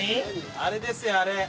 あれですよあれ。